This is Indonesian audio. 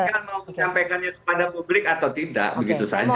saya kan mau menyampaikannya kepada publik atau tidak begitu saja